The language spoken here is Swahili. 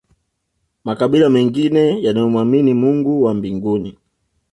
makabila mengine yanayomwamini mungu wa mbinguni